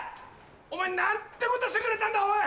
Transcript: お前何てことしてくれたんだおい！